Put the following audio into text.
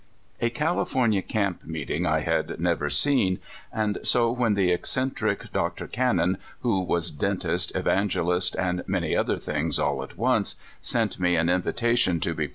CALIFORNIA camp meeting I had never ^ seen, and so when the eccentric Dr. Can non, who was dentist, evangelist, and many other things all at oncC; sent me an invitation to bo.